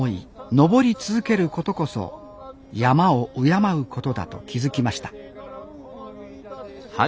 登り続けることこそ山を敬うことだと気付きました